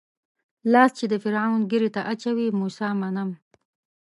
لاس چې د فرعون ږيرې ته اچوي موسی منم.